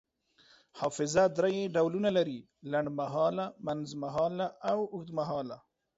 حافظه دری ډولونه لري: لنډمهاله، منځمهاله او اوږدمهاله